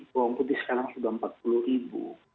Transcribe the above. bawang putih sekarang sudah rp empat puluh